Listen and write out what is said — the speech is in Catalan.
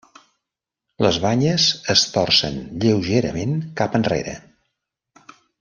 Les banyes es torcen lleugerament cap enrere.